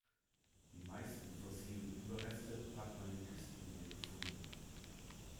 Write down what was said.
Die meisten fossilen Überreste hat man in Küstennähe gefunden.